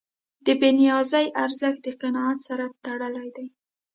د بېنیازۍ ارزښت د قناعت سره تړلی دی.